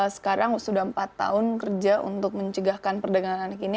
sekarang sudah empat tahun kerja untuk mencegahkan perdagangan anak ini